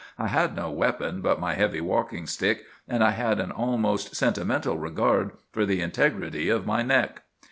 I had no weapon but my heavy walking stick, and I had an almost sentimental regard for the integrity of my neck.